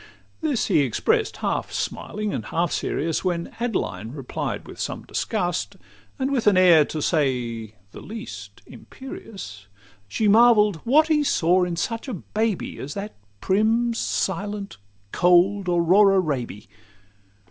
This he express'd half smiling and half serious; When Adeline replied with some disgust, And with an air, to say the least, imperious, She marvell'd 'what he saw in such a baby As that prim, silent, cold Aurora Raby?